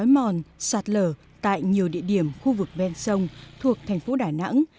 xói mòn sạt lở tại nhiều địa điểm khu vực bên sông thuộc thành phố đà nẵng